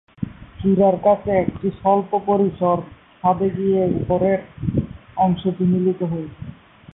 চূড়ার কাছে একটি স্বল্প পরিসর ছাদে গিয়ে উপরের অংশটি মিলিত হয়েছে।